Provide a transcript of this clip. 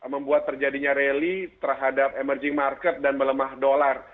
membuat terjadinya rally terhadap emerging market dan melemah dolar